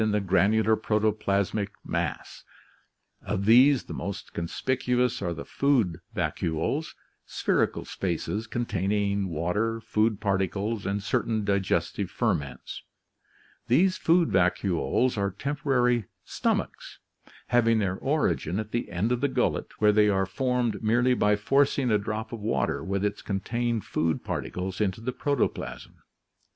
in the granular protoplasmic mass. „K| ^ntwdile vacuole; /. vac, food Of these the most conspicuous are vacuole; t. gullet; meg, meganudeus; the food vacuoles, spherical spaces ^SSHSbSS "*™"' containing water, food particles, and certain digestive ferments. These food vacuoles are tempo rary "stomachs," having their origin at the end of the gullet, where they are formed merely by forcing a drop of water with its contained food particles into the protoplasm.